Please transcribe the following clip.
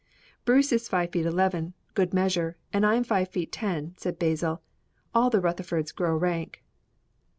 "Bruce is five feet eleven, good measure, and I am five feet ten," said Basil. "All the Rutherfords grow rank."